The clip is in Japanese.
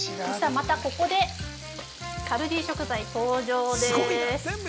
◆また、ここで、カルディ食材登場です。